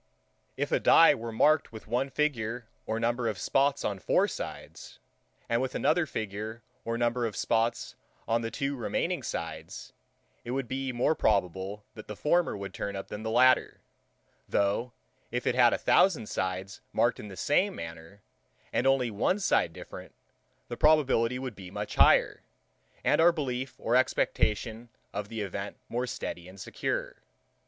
If a dye were marked with one figure or number of spots on four sides, and with another figure or number of spots on the two remaining sides, it would be more probable, that the former would turn up than the latter; though, if it had a thousand sides marked in the same manner, and only one side different, the probability would be much higher, and our belief or expectation of the event more steady and secure.